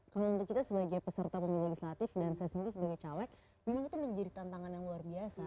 kalau untuk kita sebagai peserta pemilu legislatif dan saya sendiri sebagai caleg memang itu menjadi tantangan yang luar biasa